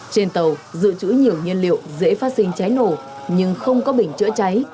trên tàu dự trữ nhiều nhân liệu dễ phát sinh cháy nổ nhưng không có bình chữa cháy